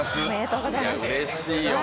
うれしいよな。